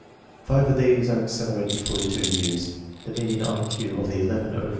Five of these are accelerated fully two years. The median I Q of the eleven over age pupils is.